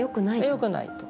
よくないと。